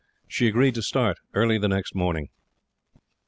She agreed to start early the next morning.